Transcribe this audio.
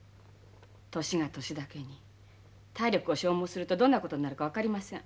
年が年だけに体力を消耗するとどんな事になるか分かりません。